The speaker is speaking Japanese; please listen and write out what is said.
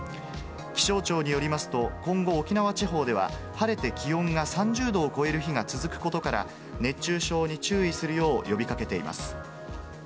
気象庁によりますと、今後、沖縄地方では、晴れて気温が３０度を超える日が続くことから、熱中症に注意するよう呼びかけています。